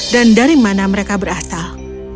dan dari mana mereka berasal